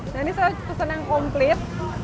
nah ini saya pesan yang komplit